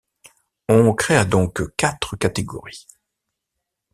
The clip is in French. On créa donc quatre catégories.